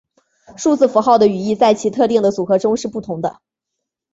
数字符号的语义在其特定的组合中是不同的。